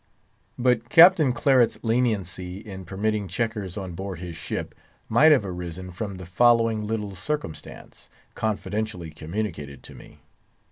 But Captain Claret's leniency in permitting checkers on board his ship might have arisen from the following little circumstance, confidentially communicated to me.